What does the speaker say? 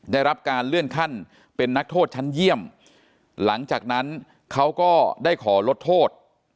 ได้รับการเลื่อนขั้นเป็นนักโทษชั้นเยี่ยมหลังจากนั้นเขาก็ได้ขอลดโทษ